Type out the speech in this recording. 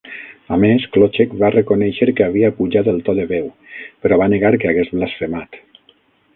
A més, Klocek va reconèixer que havia apujat el to de veu, però va negar que hagués blasfemat.